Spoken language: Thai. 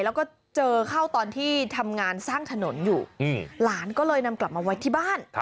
แล้วก็เจอเข้าตอนที่ทำงานสร้างถนนอยู่หลานก็เลยนำกลับมาไว้ที่บ้าน